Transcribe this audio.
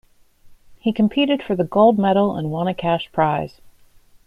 He competed for the gold medal and won a cash prize.